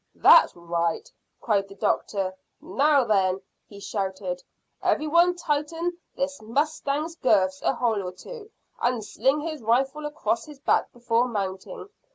"That's right," cried the doctor. "Now then," he shouted, "every one tighten his mustang's girths a hole or two, and sling his rifle across his back before mounting.